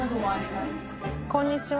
こんにちは。